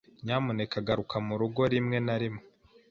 Nyamuneka garuka murugo rimwe na rimwe.